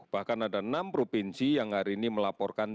bahkan ada enam provinsi yang hari ini melaporkan